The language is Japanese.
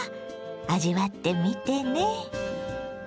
味わってみてね。